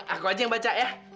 aku aja yang baca ya